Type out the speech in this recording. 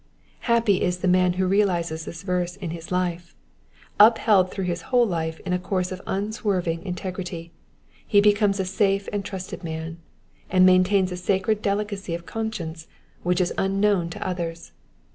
Happy is the man who realizes this verse in his life : upheld through his whole life in a course of unswerving integrity, he becomes a safe and trusted man, and maintains a sacred delicacy of conscience which is unknown to others.